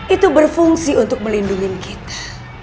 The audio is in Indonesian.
itu berfungsi untuk melindungi kita